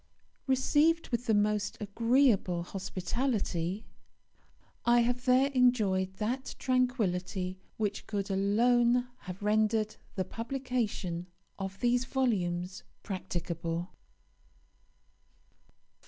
Received with the most agreeable hospitality, I have there enjoyed that tranquillity which could alone have rendered the publication of these volumes practicable.